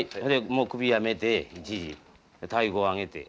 もう首やめて一時太鼓を上げて。